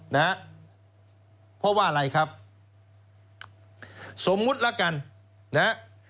นะฮะเพราะว่าอะไรครับสมมุติละกันนะฮะ